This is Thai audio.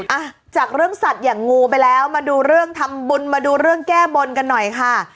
อ่ะจากเรื่องสัตว์อย่างงูไปแล้วมาดูเรื่องทำบุญมาดูเรื่องแก้บนกันหน่อยค่ะ